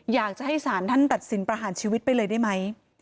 อยากจะให้สารท่านตัดสินประหารชีวิตไปเลยได้ไหม